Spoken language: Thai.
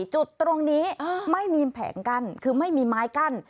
จุดตรงนี้ไม่มีแผงกั้นคือไม่มีไม้กั้น